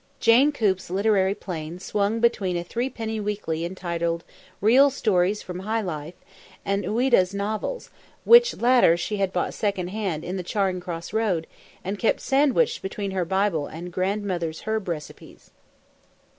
Jane Coop's literary plane swung between a three penny weekly entitled "Real Stories from High Life" and Ouida's novels, which latter she had bought second hand in the Charing Cross Road and kept sandwiched between her Bible and "Grandmother's Herb Recipes."